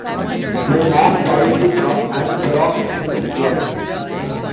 My mom typed it up and Xeroxed it at work!